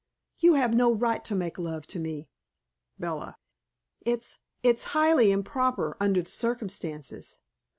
"You have no right to make love to me," Bella. "It's it's highly improper, under the circumstances."